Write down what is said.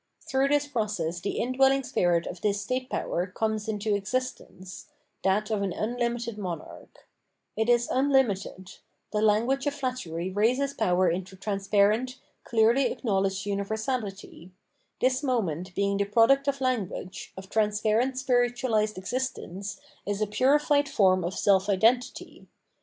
Through this process the indwelling spirit of this state power comes into existence — that of an unlimited monarch, it is unlimited; the language of flattery raises power into transparent, clearly acknowledged univer sahty; this moment being the product of language, of transparent spiritualised existence, is a purified form of self identity.